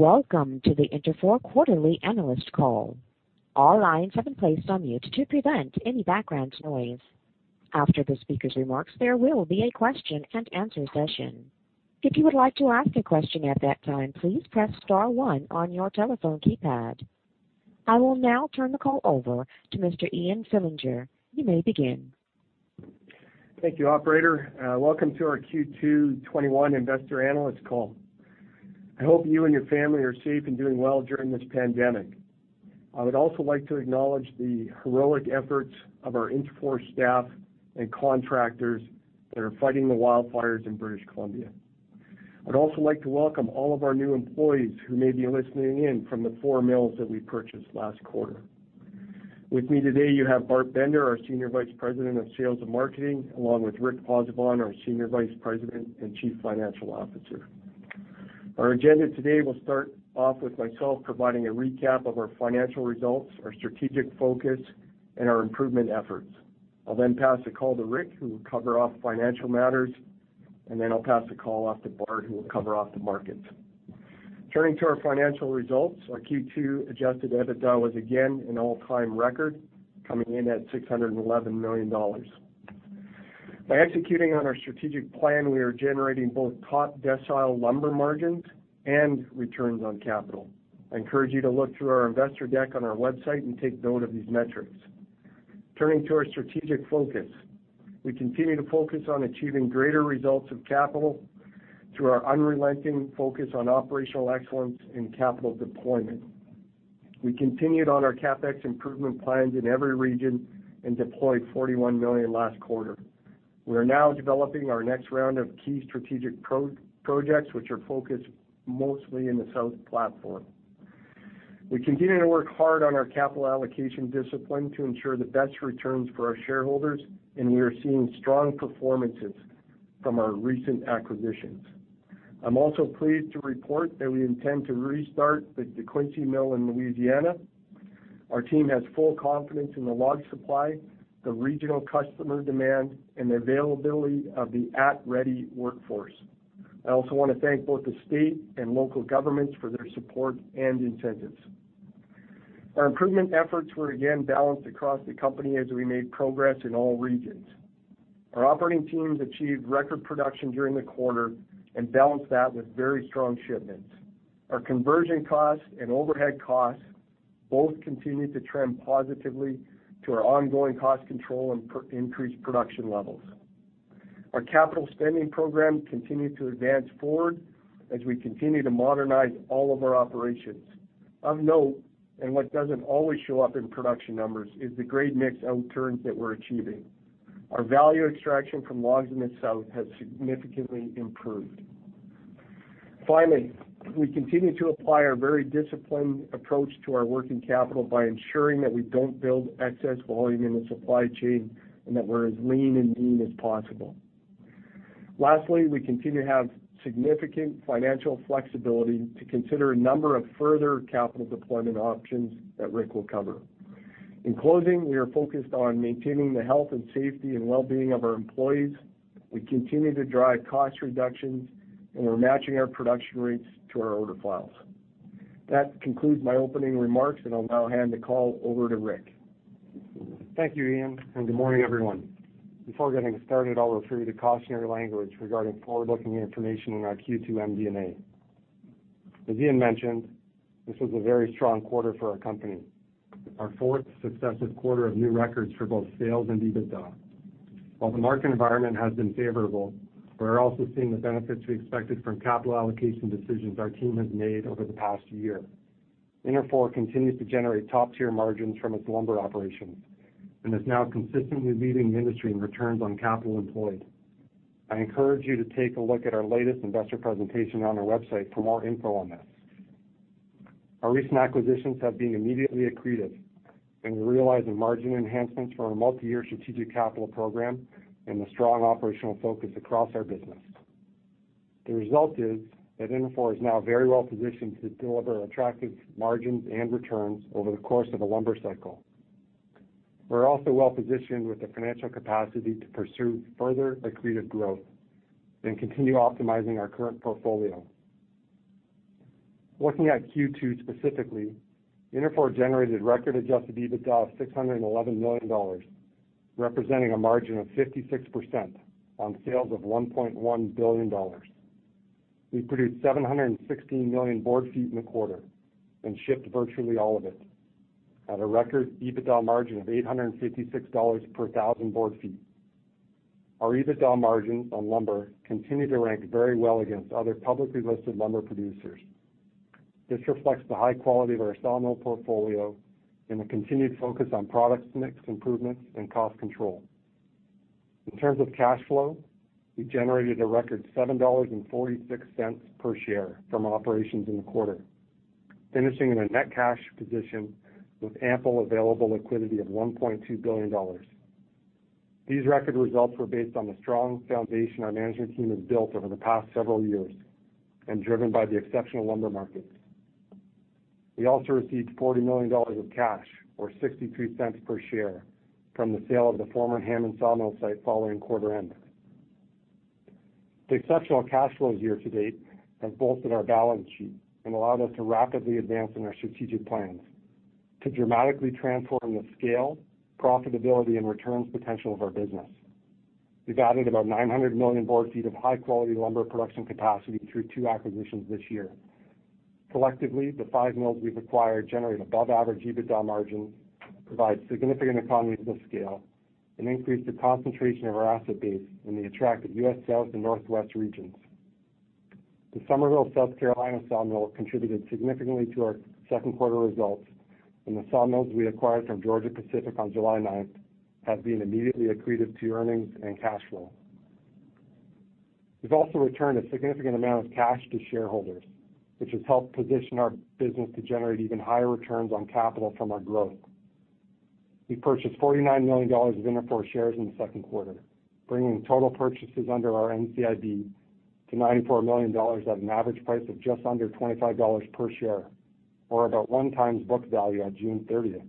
Welcome to the Interfor quarterly analyst call. All lines have been placed on mute to prevent any background noise. After the speaker's remarks, there will be a question-and-answer session. If you would like to ask a question at that time, please press star one on your telephone keypad. I will now turn the call over to Mr. Ian Fillinger. You may begin. Thank you, operator. Welcome to our Q2 2021 investor analyst call. I hope you and your family are safe and doing well during this pandemic. I would also like to acknowledge the heroic efforts of our Interfor staff and contractors that are fighting the wildfires in British Columbia. I'd also like to welcome all of our new employees who may be listening in from the four mills that we purchased last quarter. With me today, you have Bart Bender, our Senior Vice President of Sales and Marketing, along with Rick Pozzebon, our Senior Vice President and Chief Financial Officer. Our agenda today will start off with myself providing a recap of our financial results, our strategic focus, and our improvement efforts. I'll then pass the call to Rick, who will cover off financial matters, and then I'll pass the call off to Bart, who will cover off the markets. Turning to our financial results, our Q2 adjusted EBITDA was again an all-time record, coming in at $611 million. By executing on our strategic plan, we are generating both top decile lumber margins and returns on capital. I encourage you to look through our investor deck on our website and take note of these metrics. Turning to our strategic focus, we continue to focus on achieving greater returns on capital through our unrelenting focus on operational excellence and capital deployment. We continued on our CapEx improvement plans in every region and deployed $41 million last quarter. We are now developing our next round of key strategic projects, which are focused mostly in the South platform. We continue to work hard on our capital allocation discipline to ensure the best returns for our shareholders, and we are seeing strong performances from our recent acquisitions. I'm also pleased to report that we intend to restart the DeQuincy Mill in Louisiana. Our team has full confidence in the log supply, the regional customer demand, and the availability of the at-ready workforce. I also want to thank both the state and local governments for their support and incentives. Our improvement efforts were again balanced across the company as we made progress in all regions. Our operating teams achieved record production during the quarter and balanced that with very strong shipments. Our conversion costs and overhead costs both continued to trend positively to our ongoing cost control and increased production levels. Our capital spending program continued to advance forward as we continue to modernize all of our operations. Of note, and what doesn't always show up in production numbers, is the great mix outturns that we're achieving. Our value extraction from logs in the South has significantly improved. Finally, we continue to apply our very disciplined approach to our working capital by ensuring that we don't build excess volume in the supply chain and that we're as lean and mean as possible. Lastly, we continue to have significant financial flexibility to consider a number of further capital deployment options that Rick will cover. In closing, we are focused on maintaining the health and safety and wellbeing of our employees. We continue to drive cost reductions, and we're matching our production rates to our order files. That concludes my opening remarks, and I'll now hand the call over to Rick. Thank you, Ian, and good morning, everyone. Before getting started, I'll refer you to cautionary language regarding forward-looking information in our Q2 MD&A. As Ian mentioned, this was a very strong quarter for our company, our fourth successive quarter of new records for both sales and EBITDA. While the market environment has been favorable, we're also seeing the benefits we expected from capital allocation decisions our team has made over the past year. Interfor continues to generate top-tier margins from its lumber operations and is now consistently leading the industry in returns on capital employed. I encourage you to take a look at our latest investor presentation on our website for more info on this. Our recent acquisitions have been immediately accretive, and we realize the margin enhancements from our multi-year strategic capital program and the strong operational focus across our business. The result is that Interfor is now very well positioned to deliver attractive margins and returns over the course of a lumber cycle. We're also well positioned with the financial capacity to pursue further accretive growth and continue optimizing our current portfolio. Looking at Q2 specifically, Interfor generated record adjusted EBITDA of $611 million, representing a margin of 56% on sales of $1.1 billion. We produced 716 million board feet in the quarter and shipped virtually all of it at a record EBITDA margin of $856 per thousand board feet. Our EBITDA margin on lumber continued to rank very well against other publicly listed lumber producers. This reflects the high quality of our sawmill portfolio and a continued focus on product mix improvements and cost control. In terms of cash flow, we generated a record $7.46 per share from operations in the quarter, finishing in a net cash position with ample available liquidity of $1.2 billion. These record results were based on the strong foundation our management team has built over the past several years and driven by the exceptional lumber markets. We also received $40 million of cash, or $0.62 per share, from the sale of the former Hammond sawmill site following quarter end. The exceptional cash flows year to date have bolstered our balance sheet and allowed us to rapidly advance in our strategic plans to dramatically transform the scale, profitability, and returns potential of our business. We've added about 900 million board feet of high-quality lumber production capacity through two acquisitions this year. Collectively, the five mills we've acquired generate above-average EBITDA margins, provide significant economies of scale, and increase the concentration of our asset base in the attractive U.S. South and Northwest regions. The Summerville, South Carolina sawmill contributed significantly to our second quarter results, and the sawmills we acquired from Georgia-Pacific on July 9th have been immediately accretive to earnings and cash flow. We've also returned a significant amount of cash to shareholders, which has helped position our business to generate even higher returns on capital from our growth. We purchased $49 million of Interfor shares in the second quarter, bringing total purchases under our NCIB to $94 million at an average price of just under $25 per share, or about 1x book value on June 30th.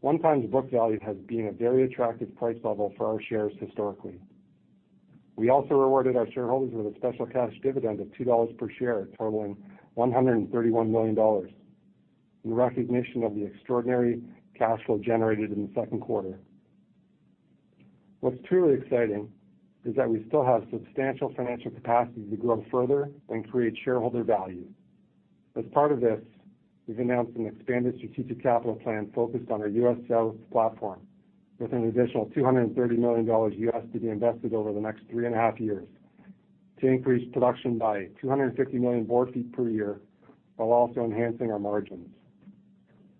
One times book value has been a very attractive price level for our shares historically. We also rewarded our shareholders with a special cash dividend of $2 per share, totaling $131 million, in recognition of the extraordinary cash flow generated in the second quarter. What's truly exciting is that we still have substantial financial capacity to grow further and create shareholder value. As part of this, we've announced an expanded strategic capital plan focused on our U.S. South platform, with an additional $230 million to be invested over the next 3.5 years to increase production by 250 million board feet per year, while also enhancing our margins.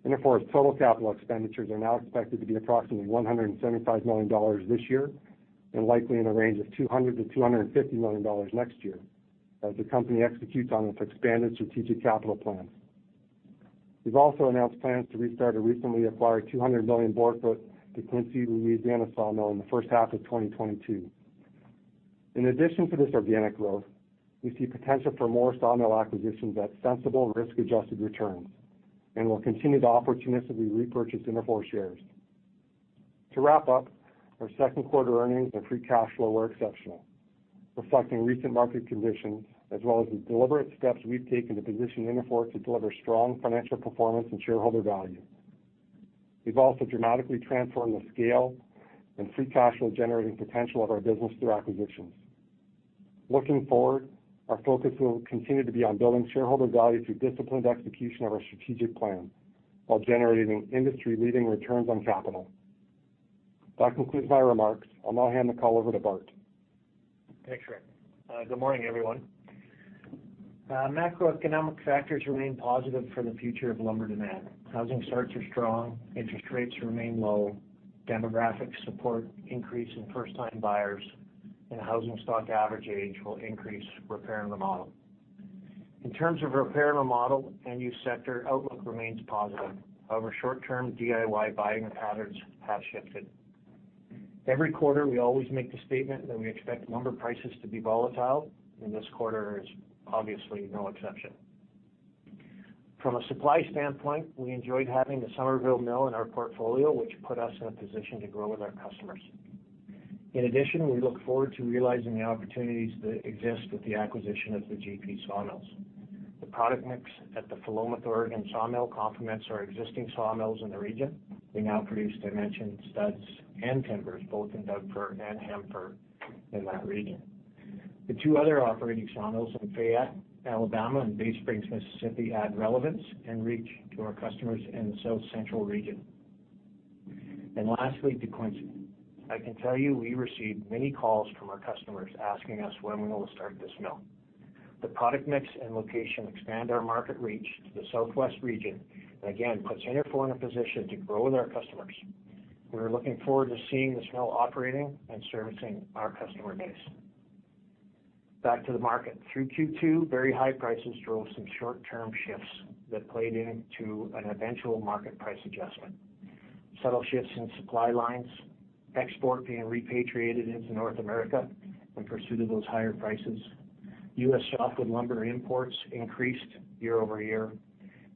Interfor's total capital expenditures are now expected to be approximately $175 million this year, and likely in the range of $200 million-$250 million next year, as the company executes on its expanded strategic capital plan. We've also announced plans to restart a recently acquired 200 million board feet DeQuincy, Louisiana sawmill in the first half of 2022. In addition to this organic growth, we see potential for more sawmill acquisitions at sensible risk-adjusted returns, and we'll continue to opportunistically repurchase Interfor shares. To wrap up, our second quarter earnings and free cash flow were exceptional, reflecting recent market conditions, as well as the deliberate steps we've taken to position Interfor to deliver strong financial performance and shareholder value. We've also dramatically transformed the scale and free cash flow-generating potential of our business through acquisitions. Looking forward, our focus will continue to be on building shareholder value through disciplined execution of our strategic plan, while generating industry-leading returns on capital. That concludes my remarks. I'll now hand the call over to Bart. Thanks, Rick. Good morning, everyone. Macroeconomic factors remain positive for the future of lumber demand. Housing starts are strong, interest rates remain low, demographic support increase in first-time buyers, and the housing stock average age will increase repair and remodel. In terms of repair and remodel, end-use sector outlook remains positive. However, short-term DIY buying patterns have shifted. Every quarter, we always make the statement that we expect lumber prices to be volatile, and this quarter is obviously no exception. From a supply standpoint, we enjoyed having the Summerville mill in our portfolio, which put us in a position to grow with our customers. In addition, we look forward to realizing the opportunities that exist with the acquisition of the GP sawmills. The product mix at the Philomath, Oregon sawmill complements our existing sawmills in the region. We now produce dimension studs and timbers, both in Doug Fir and Hem-Fir in that region. The two other operating sawmills in Fayette, Alabama, and Bay Springs, Mississippi, add relevance and reach to our customers in the South Central region. Lastly, DeQuincy. I can tell you, we received many calls from our customers asking us when we will start this mill. The product mix and location expand our market reach to the Southwest region, and again, puts Interfor in a position to grow with our customers. We're looking forward to seeing this mill operating and servicing our customer base. Back to the market. Through Q2, very high prices drove some short-term shifts that played into an eventual market price adjustment. Subtle shifts in supply lines, exports being repatriated into North America in pursuit of those higher prices. U.S. softwood lumber imports increased year-over-year.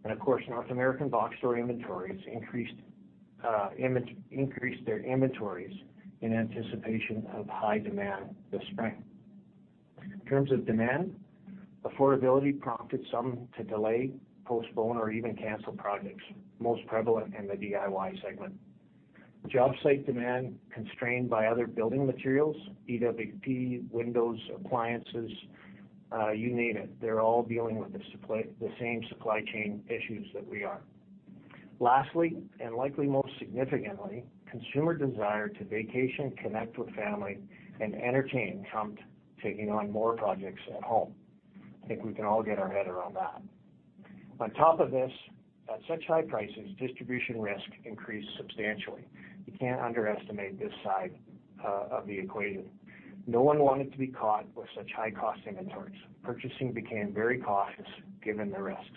Of course, North American box store inventories increased their inventories in anticipation of high demand this spring. In terms of demand, affordability prompted some to delay, postpone, or even cancel projects, most prevalent in the DIY segment. Job site demand constrained by other building materials, EWP, windows, appliances, you name it, they're all dealing with the same supply chain issues that we are. Lastly, and likely most significantly, consumer desire to vacation, connect with family, and entertain, come to taking on more projects at home. I think we can all get our head around that. On top of this, at such high prices, distribution risk increased substantially. You can't underestimate this side of the equation. No one wanted to be caught with such high-cost inventories. Purchasing became very cautious, given the risks.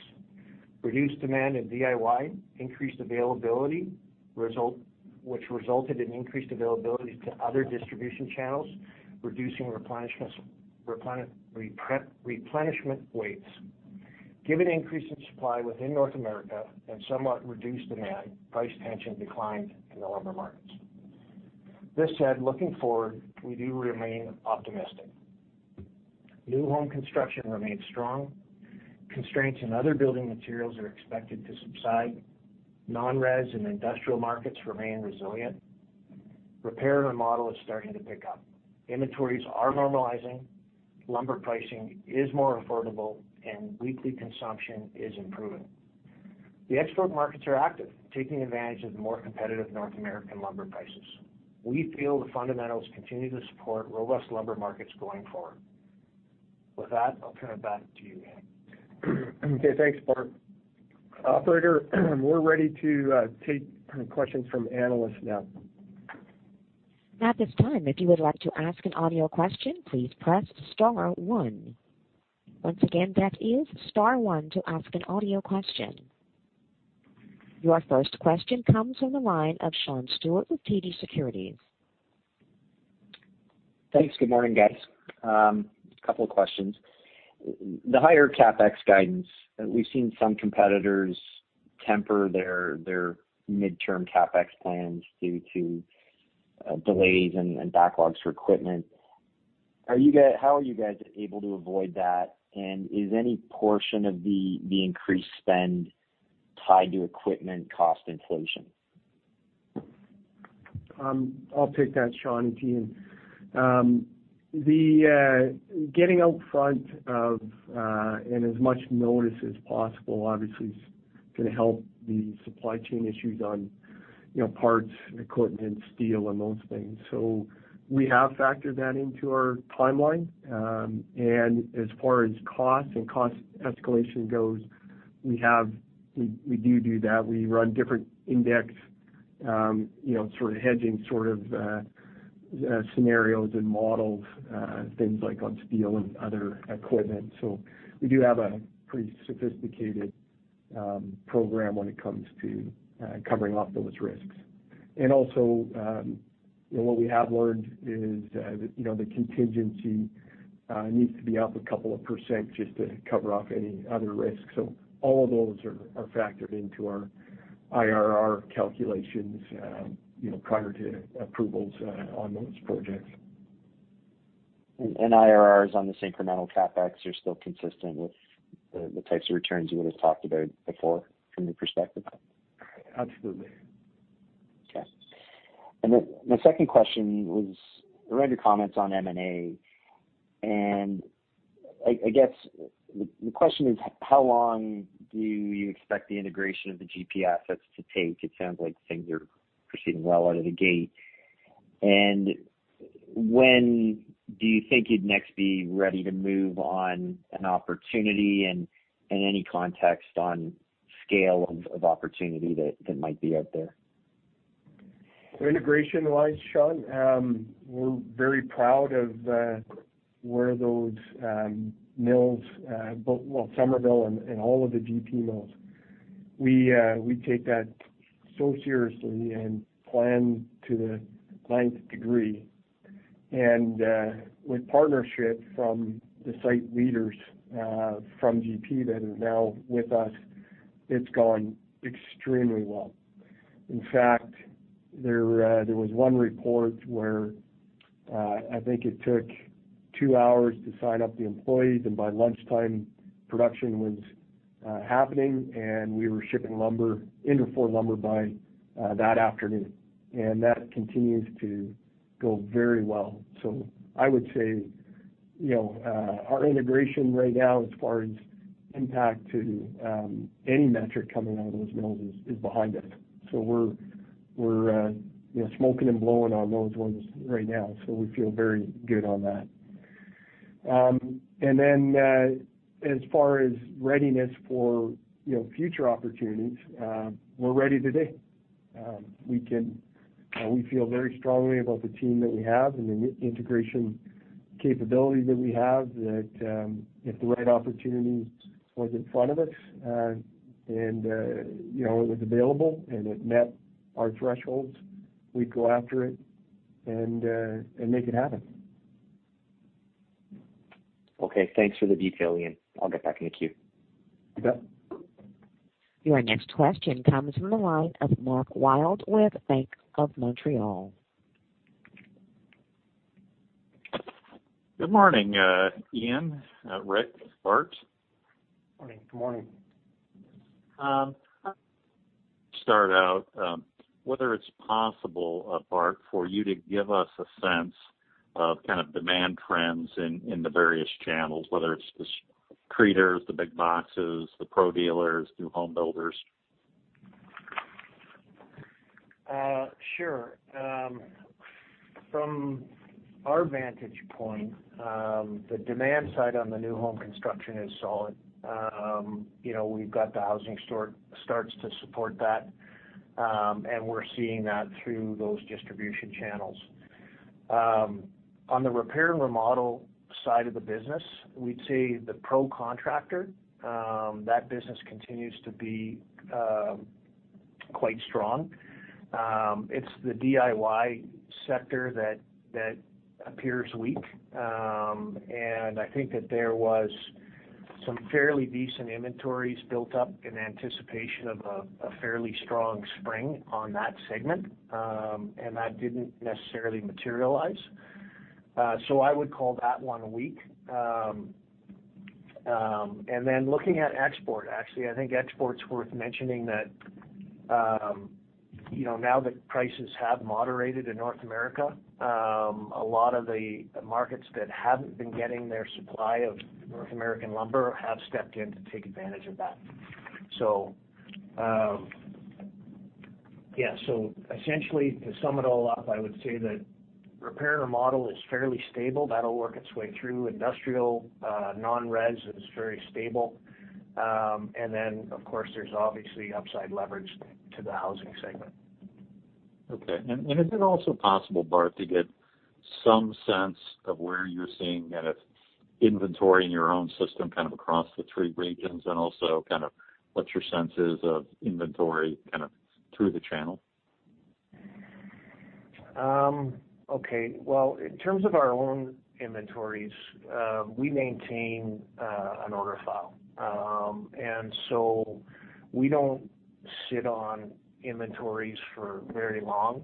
Reduced demand in DIY increased availability, which resulted in increased availability to other distribution channels, reducing replenishment waits. Given the increase in supply within North America and somewhat reduced demand, price tension declined in the lumber markets. This said, looking forward, we do remain optimistic. New home construction remains strong, constraints in other building materials are expected to subside, non-res and industrial markets remain resilient, repair and remodel is starting to pick up, inventories are normalizing, lumber pricing is more affordable, and weekly consumption is improving. The export markets are active, taking advantage of the more competitive North American lumber prices. We feel the fundamentals continue to support robust lumber markets going forward. With that, I'll turn it back to you, Ian. Okay, thanks, Bart. Operator, we're ready to take questions from analysts now. At this time, if you would like to ask an audio question, please press star one. Once again, that is star one to ask an audio question. Your first question comes from the line of Sean Steuart with TD Securities. Thanks. Good morning, guys. A couple of questions. The higher CapEx guidance, we've seen some competitors temper their midterm CapEx plans due to delays and backlogs for equipment. How are you guys able to avoid that? Is any portion of the increased spend tied to equipment cost inflation? I'll take that, Sean, to you. The getting out in front of and as much notice as possible, obviously, is gonna help the supply chain issues on, you know, parts, equipment, steel, and those things. So we have factored that into our timeline. As far as cost and cost escalation goes, we do do that. We run different index, you know, sort of hedging, sort of scenarios and models, things like on steel and other equipment. So we do have a pretty sophisticated program when it comes to covering off those risks. Also, what we have learned is, you know, the contingency needs to be up a couple of percent just to cover off any other risks. All of those are factored into our IRR calculations, you know, prior to approvals on those projects. IRRs on the incremental CapEx are still consistent with the types of returns you would have talked about before from your perspective? Absolutely. Okay. And then my second question was, I read your comments on M&A, and I guess, the question is, how long do you expect the integration of the GP assets to take? It sounds like things are proceeding well out of the gate. When do you think you'd next be ready to move on an opportunity and any context on scale of opportunity that might be out there? Integration wise, Sean, we're very proud of where those mills, both, well, Summerville and all of the GP mills. We take that so seriously and plan to the 9th degree. With partnership from the site leaders from GP that are now with us, it's going extremely well. In fact, there was one report where I think it took two hours to sign up the employees, and by lunchtime, production was happening, and we were shipping lumber, Interfor lumber by that afternoon and that continues to go very well. So I would say, you know, our integration right now, as far as impact to any metric coming out of those mills is behind us. So we're you know, smoking and blowing on those ones right now, so we feel very good on that. And then, as far as readiness for you know, future opportunities, we're ready today. We feel very strongly about the team that we have and the integration capability that we have, that if the right opportunity was in front of us, and you know, it was available and it met our thresholds, we'd go after it and make it happen. Okay, thanks for the detail, Ian. I'll get back in the queue. You bet. Your next question comes from the line of Mark Wilde with Bank of Montreal. Good morning, Ian, Rick, Bart. Morning. Good morning. Start out, whether it's possible, Bart, for you to give us a sense of kind of demand trends in the various channels, whether it's the creators, the big boxes, the pro dealers, new home builders? Sure. From our vantage point, the demand side on the new home construction is solid. You know, we've got the housing starts to support that, and we're seeing that through those distribution channels. On the repair and remodel side of the business, we'd say the pro contractor, that business continues to be quite strong. It's the DIY sector that appears weak. I think that there was some fairly decent inventories built up in anticipation of a fairly strong spring on that segment, and that didn't necessarily materialize. So I would call that one weak. And then looking at export, actually, I think export's worth mentioning that, you know, now that prices have moderated in North America, a lot of the markets that haven't been getting their supply of North American lumber have stepped in to take advantage of that. So, yeah, so essentially, to sum it all up, I would say that repair and remodel is fairly stable. That'll work its way through. Industrial, non-res is very stable. And then, of course, there's obviously upside leverage to the housing segment. Okay. Is it also possible, Bart, to get some sense of where you're seeing kind of inventory in your own system, kind of across the three regions, and also kind of what your sense is of inventory kind of through the channel? Okay. Well, in terms of our own inventories, we maintain an order file. And so, we don't sit on inventories for very long.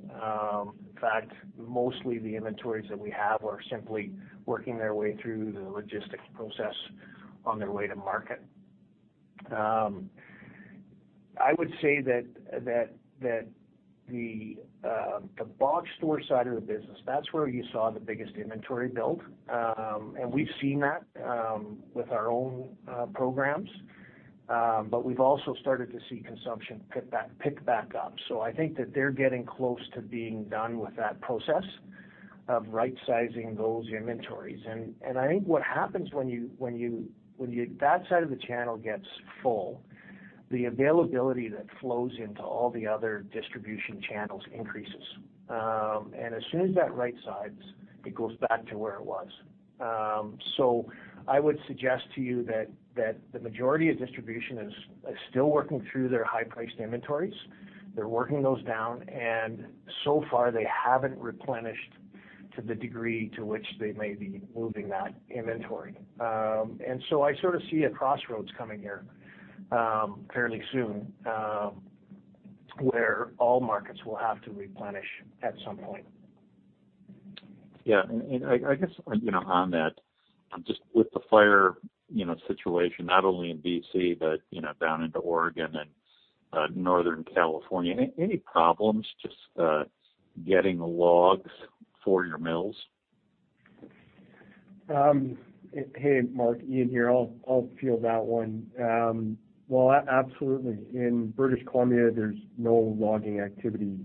In fact, mostly the inventories that we have are simply working their way through the logistics process on their way to market. I would say that the box store side of the business, that's where you saw the biggest inventory build. And we've seen that with our own programs. But we've also started to see consumption pick back up. So I think that they're getting close to being done with that process of rightsizing those inventories. I think what happens when that side of the channel gets full, the availability that flows into all the other distribution channels increases. As soon as that rightsizes, it goes back to where it was. So I would suggest to you that the majority of distribution is still working through their high-priced inventories. They're working those down, and so far, they haven't replenished to the degree to which they may be moving that inventory. And so, I sort of see a crossroads coming here, fairly soon, where all markets will have to replenish at some point. Yeah. I guess, you know, on that, just with the fire, you know, situation, not only in B.C., but, you know, down into Oregon and Northern California, any problems just getting the logs for your mills? Hey, Mark, Ian here. I'll field that one. Well, absolutely. In British Columbia, there's no logging activity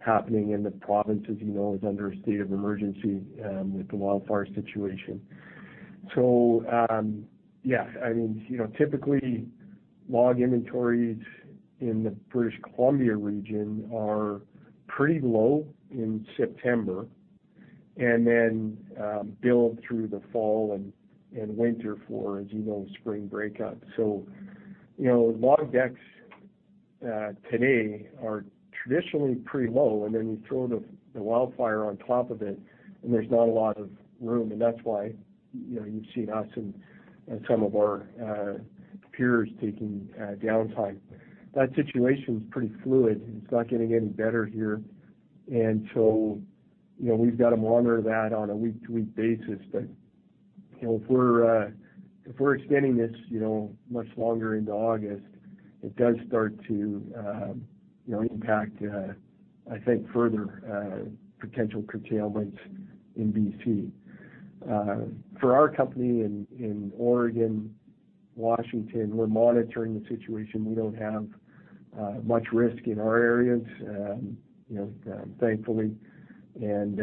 happening in the province, as you know, is under a state of emergency with the wildfire situation. So, yeah, I mean, you know, typically, log inventories in the British Columbia region are pretty low in September, and then build through the fall and winter for, as you know, spring breakout. So, you know, log decks today are traditionally pretty low, and then you throw the wildfire on top of it, and there's not a lot of room, and that's why, you know, you've seen us and some of our peers taking downtime. That situation's pretty fluid, and it's not getting any better here. And so, you know, we've got to monitor that on a week-to-week basis. But, you know, if we're extending this, you know, much longer into August, it does start to, you know, impact, I think, further potential curtailments in B.C. For our company in Oregon, Washington, we're monitoring the situation. We don't have much risk in our areas, you know, thankfully, and,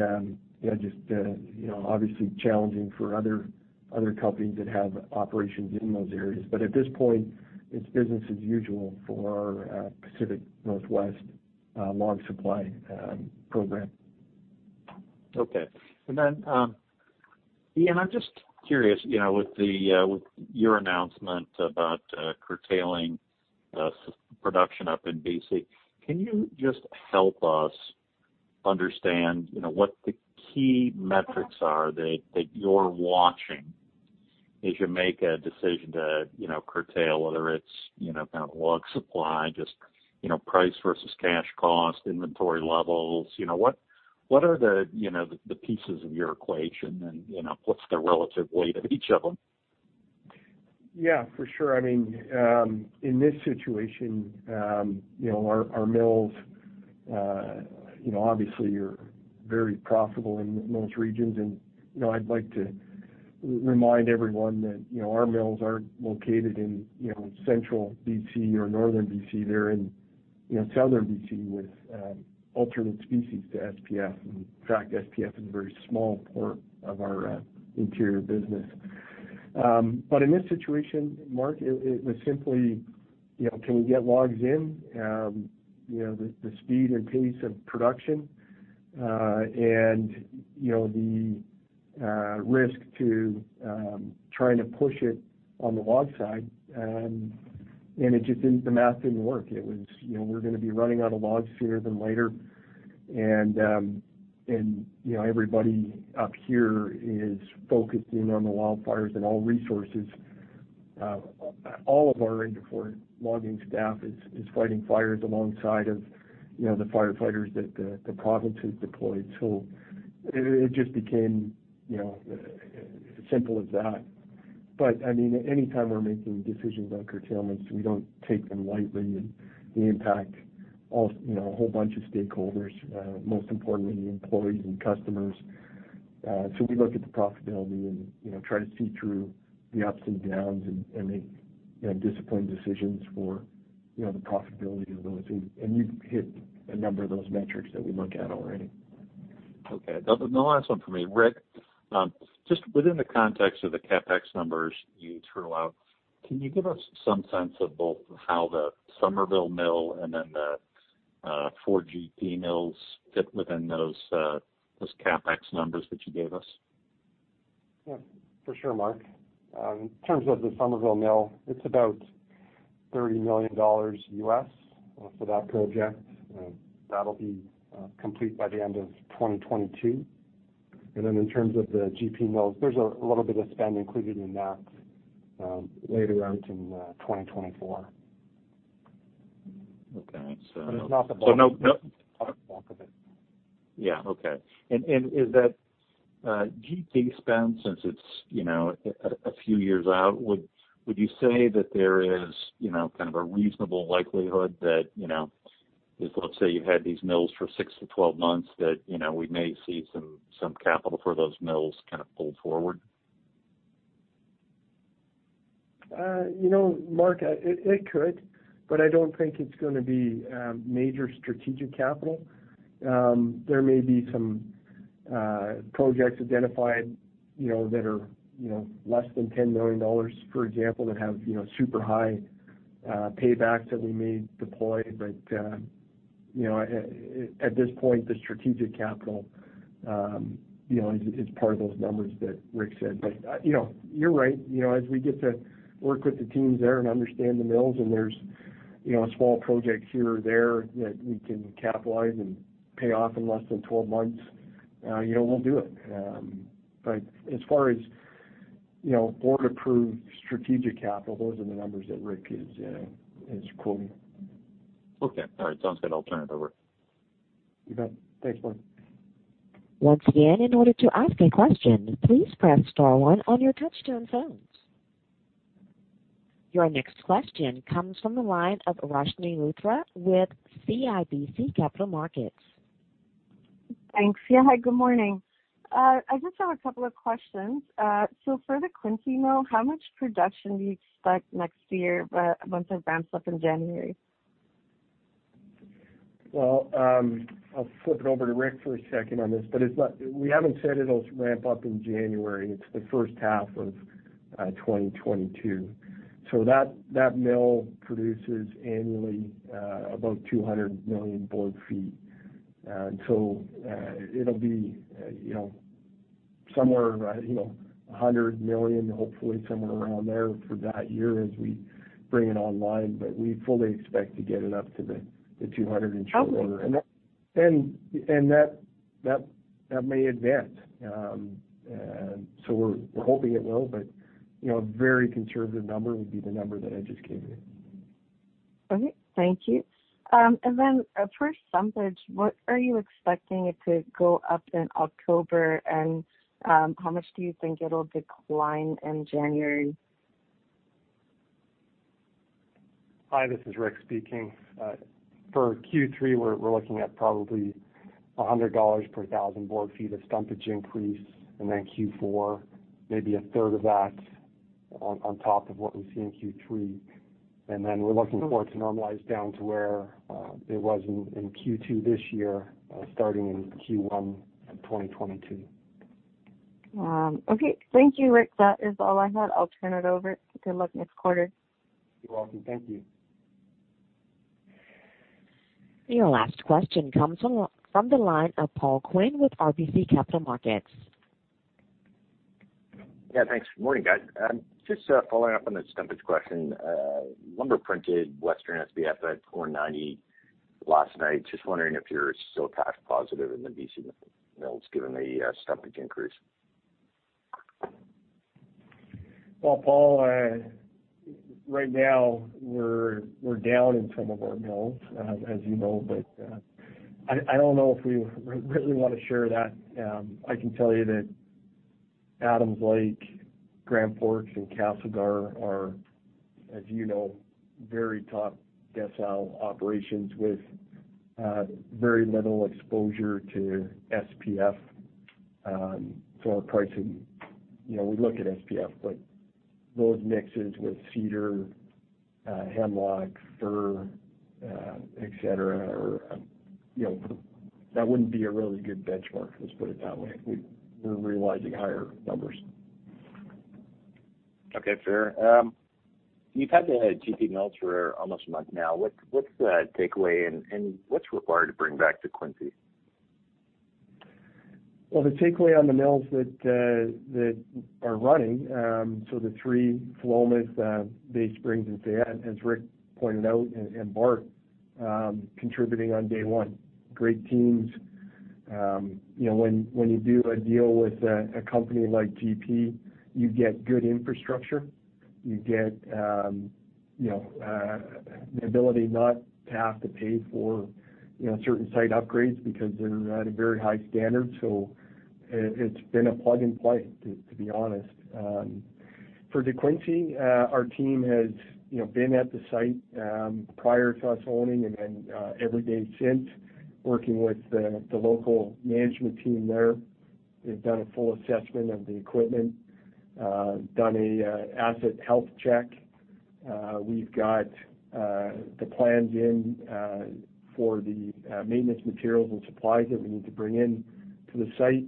yeah, just, you know, obviously challenging for other companies that have operations in those areas. But at this point, it's business as usual for our Pacific Northwest log supply program. Okay. And then, Ian, I'm just curious, you know, with the with your announcement about curtailing production up in B.C., can you just help us understand, you know, what the key metrics are that you're watching as you make a decision to, you know, curtail, whether it's, you know, kind of log supply, just, you know, price versus cash cost, inventory levels? You know, what are the, you know, the pieces of your equation and, you know, what's the relative weight of each of them? Yeah, for sure. I mean, in this situation, you know, our mills, you know, obviously are very profitable in those regions. And, you know, I'd like to remind everyone that, you know, our mills aren't located in, you know, central B.C. or northern B.C. They're in, you know, southern B.C. with alternate species to SPF. In fact, SPF is a very small part of our interior business. But in this situation, Mark, it was simply, you know, can we get logs in? You know, the speed and pace of production and, you know, the risk to trying to push it on the log side, and it just didn't. The math didn't work. It was, you know, we're gonna be running out of logs sooner than later. And, you know, everybody up here is focusing on the wildfires and all resources. All of our Interfor logging staff is fighting fires alongside of, you know, the firefighters that the province has deployed. So it just became, you know, simple as that. But I mean, anytime we're making decisions on curtailments, we don't take them lightly, and they impact all you know, a whole bunch of stakeholders, most importantly, the employees and customers. So we look at the profitability and, you know, try to see through the ups and downs and make, you know, disciplined decisions for, you know, the profitability of those. And you've hit a number of those metrics that we look at already. Okay. The last one for me. Rick, just within the context of the CapEx numbers you threw out, can you give us some sense of both how the Summerville mill and then the four GP mills fit within those CapEx numbers that you gave us? Yeah, for sure, Mark. In terms of the Summerville mill, it's about $30 million for that project. And that'll be complete by the end of 2022. And then in terms of the GP mills, there's a little bit of spend included in that, later out in 2024. Okay, so. But it's not the bulk. So no, no. Not the bulk of it. Yeah. Okay. Is that GP spend, since it's, you know, a few years out, would you say that there is, you know, kind of a reasonable likelihood that, you know, if, let's say, you had these mills for 6 months-12 months, that, you know, we may see some capital for those mills kind of pulled forward? You know, Mark, it could, but I don't think it's gonna be major strategic capital. There may be some projects identified, you know, that are, you know, less than $10 million, for example, that have, you know, super high paybacks that we may deploy. But, you know, at this point, the strategic capital, you know, is part of those numbers that Rick said. But, you know, you're right. You know, as we get to work with the teams there and understand the mills, and there's, you know, a small project here or there that we can capitalize and pay off in less than 12 months, you know, we'll do it. But as far as, you know, board-approved strategic capital, those are the numbers that Rick is quoting. Okay. All right, sounds good. I'll turn it over. You bet. Thanks, Mark. Once again, in order to ask a question, please press star one on your touchtone phones. Your next question comes from the line of Roshni Luthra with CIBC Capital Markets. Thanks. Yeah, hi, good morning. I just have a couple of questions. So for the DeQuincy mill, how much production do you expect next year, but once it ramps up in January? Well, I'll flip it over to Rick for a second on this, but it's not. We haven't said it'll ramp up in January. It's the first half of 2022. So that, that mill produces annually about 200 million board feet. And so, it'll be, you know, somewhere around, you know, 100 million, hopefully somewhere around there for that year as we bring it online, but we fully expect to get it up to the, the 200 and shorter. How many? That may advance. And so we're hoping it will, but, you know, a very conservative number would be the number that I just gave you. Okay. Thank you. And then for lumber, what are you expecting it to go up in October? And, how much do you think it'll decline in January? Hi, this is Rick speaking. For Q3, we're looking at probably $100 per 1,000 board feet of stumpage increase, and then Q4, maybe a third of that on top of what we see in Q3. And then we're looking for it to normalize down to where it was in Q2 this year, starting in Q1 of 2022. Okay. Thank you, Rick. That is all I had. I'll turn it over. Good luck next quarter. You're welcome. Thank you. Your last question comes from the line of Paul Quinn, with RBC Capital Markets. Yeah, thanks. Good morning, guys. Just following up on the stumpage question. Lumber printed Western SPF at $490 last night. Just wondering if you're still cash positive in the B.C. mills, given the stumpage increase. Well, Paul, right now, we're down in some of our mills, as you know. But, I don't know if we really wanna share that. I can tell you that Adams Lake, Grand Forks and Castlegar are, as you know, very top decile operations with very little exposure to SPF, for our pricing. You know, we look at SPF, but those mixes with cedar, hemlock, fir, et cetera, are, you know. That wouldn't be a really good benchmark, let's put it that way. We're realizing higher numbers. Okay, fair. You've had the GP mills for almost a month now. What's the takeaway, and what's required to bring back DeQuincy? Well, the takeaway on the mills that are running, so the three, Philomath, Bay Springs, and as Rick pointed out, and Bart contributing on day one. Great teams. You know, when you do a deal with a company like GP, you get good infrastructure. You get you know the ability not to have to pay for you know certain site upgrades because they're at a very high standard. So it's been a plug and play, to be honest. For DeQuincy, our team has you know been at the site prior to us owning and then every day since, working with the local management team there. They've done a full assessment of the equipment, done an asset health check. We've got the plans in for the maintenance materials and supplies that we need to bring in to the site.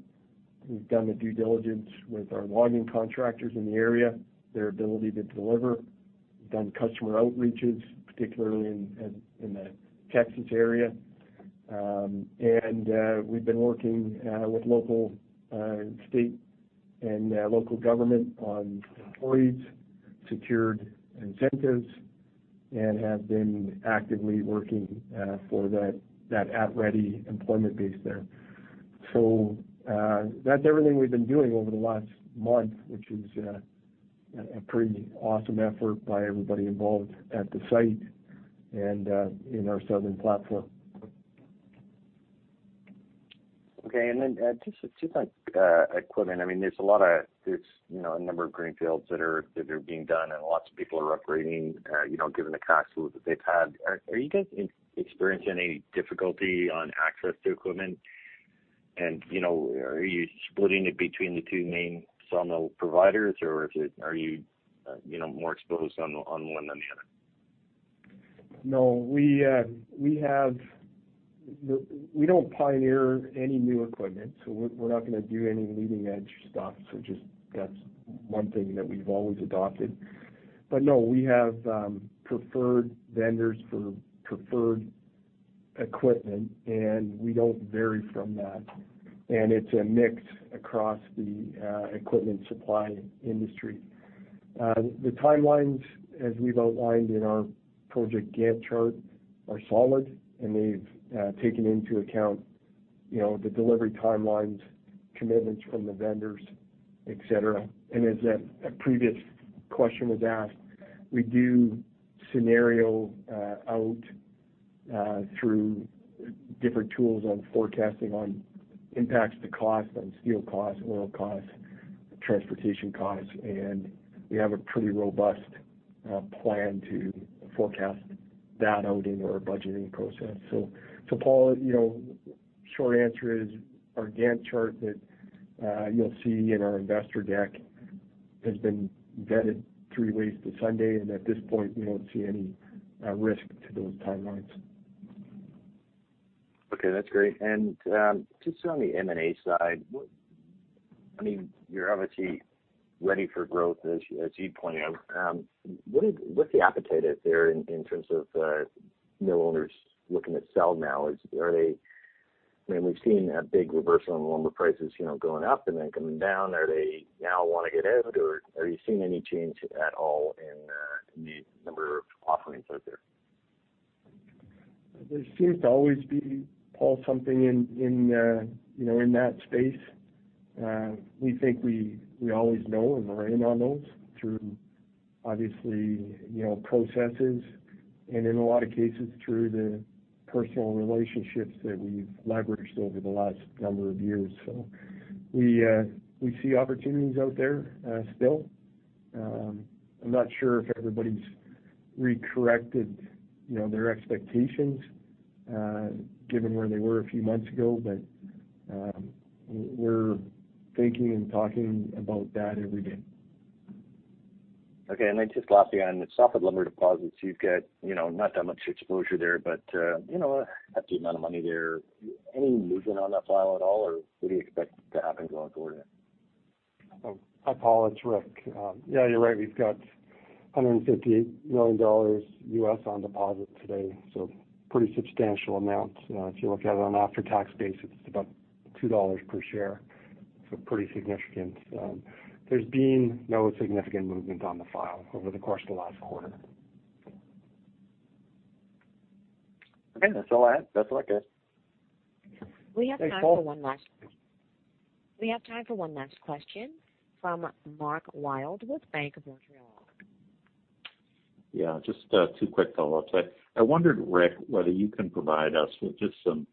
We've done the due diligence with our logging contractors in the area, their ability to deliver. We've done customer outreaches, particularly in the Texas area. We've been working with local state and local government on employees, secured incentives, and have been actively working for that at-ready employment base there. So that's everything we've been doing over the last month, which is a pretty awesome effort by everybody involved at the site and in our southern platform. Okay. And then just on equipment, I mean, there's a lot of, you know, a number of greenfields that are being done, and lots of people are upgrading, you know, given the tax rules that they've had. Are you guys experiencing any difficulty on access to equipment? And, you know, are you splitting it between the two main sawmill providers, or are you, you know, more exposed on one than the other? No, we have. We don't pioneer any new equipment, so we're not gonna do any leading-edge stuff. So just that's one thing that we've always adopted. But no, we have preferred vendors for preferred equipment, and we don't vary from that, and it's a mix across the equipment supply industry. The timelines, as we've outlined in our project Gantt chart, are solid, and they've taken into account, you know, the delivery timelines, commitments from the vendors, et cetera. As a previous question was asked, we do scenario out through different tools on forecasting, on impacts to cost, on steel costs, oil costs, transportation costs, and we have a pretty robust plan to forecast that out in our budgeting process. So, Paul, you know, short answer is, our Gantt chart that you'll see in our investor deck has been vetted three ways to Sunday, and at this point, we don't see any risk to those timelines. Okay, that's great. Just on the M&A side, what, I mean, you're obviously ready for growth, as you pointed out. What's the appetite out there in terms of mill owners looking to sell now? Are they, I mean, we've seen a big reversal in lumber prices, you know, going up and then coming down. Are they now want to get out, or are you seeing any change at all in the number of offerings out there? There seems to always be, Paul, something in you know, in that space. We think we always know and we're in on those through, obviously, you know, processes, and in a lot of cases, through the personal relationships that we've leveraged over the last number of years. So we see opportunities out there, still. I'm not sure if everybody's re-corrected, you know, their expectations, given where they were a few months ago, but, we're thinking and talking about that every day. Okay. And then just lastly, on the softwood lumber deposits, you've got, you know, not that much exposure there, but, you know, that's the amount of money there. Any movement on that file at all, or what do you expect to happen going forward? Oh, hi, Paul, it's Rick. Yeah, you're right. We've got $158 million on deposit today, so pretty substantial amount. If you look at it on an after-tax basis, it's about $2 per share, so pretty significant. There's been no significant movement on the file over the course of the last quarter. Okay, that's all I have. That's all I guess. We have time for one last. Thanks, Paul. We have time for one last question from Mark Wilde with Bank of Montreal. Yeah, just two quick follow-ups. I wondered, Rick, whether you can provide us with just some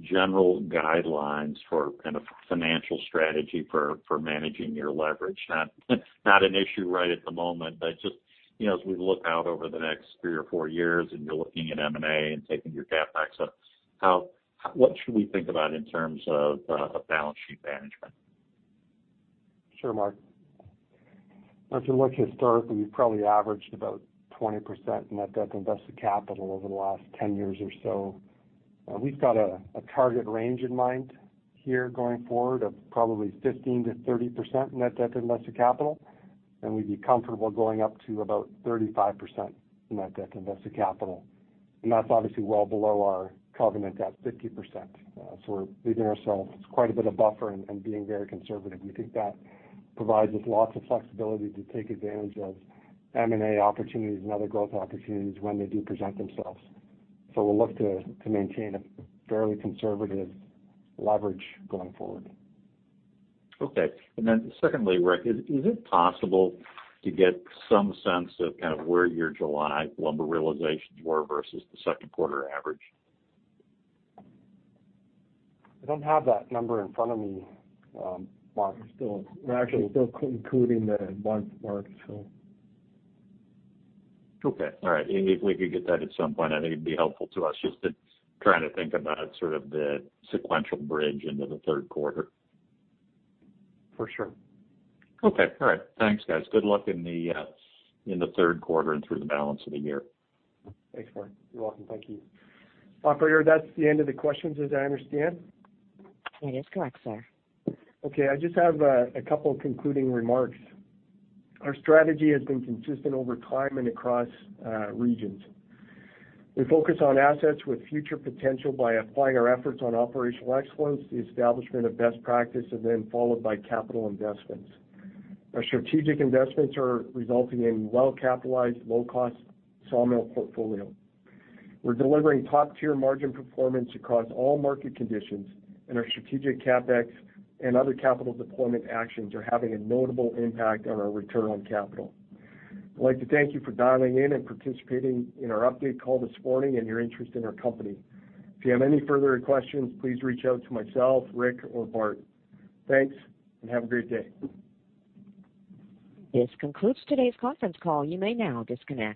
general guidelines for kind of financial strategy for managing your leverage? Not an issue right at the moment, but just, you know, as we look out over the next three or four years, and you're looking at M&A and taking your CapEx up, how what should we think about in terms of balance sheet management? Sure, Mark. If you look historically, we've probably averaged about 20% net debt to invested capital over the last 10 years or so. We've got a target range in mind here going forward of probably 15%-30% net debt invested capital, and we'd be comfortable going up to about 35% net debt invested capital. And that's obviously well below our covenant at 50%. So we're leaving ourselves quite a bit of buffer and being very conservative. We think that provides us lots of flexibility to take advantage of M&A opportunities and other growth opportunities when they do present themselves. So we'll look to maintain a fairly conservative leverage going forward. Okay. And then secondly, Rick, is it possible to get some sense of kind of where your July lumber realizations were versus the second quarter average? I don't have that number in front of me, Mark. We're actually still concluding the month, Mark, so. Okay, all right. If we could get that at some point, I think it'd be helpful to us just to try to think about sort of the sequential bridge into the third quarter. For sure. Okay, all right. Thanks, guys. Good luck in the third quarter and through the balance of the year. Thanks, Mark. You're welcome. Thank you. Operator, that's the end of the questions, as I understand? That is correct, sir. Okay, I just have a couple of concluding remarks. Our strategy has been consistent over time and across regions. We focus on assets with future potential by applying our efforts on operational excellence, the establishment of best practice, and then followed by capital investments. Our strategic investments are resulting in well-capitalized, low-cost sawmill portfolio. We're delivering top-tier margin performance across all market conditions, and our strategic CapEx and other capital deployment actions are having a notable impact on our return on capital. I'd like to thank you for dialing in and participating in our update call this morning and your interest in our company. If you have any further questions, please reach out to myself, Rick, or Bart. Thanks, and have a great day. This concludes today's conference call. You may now disconnect.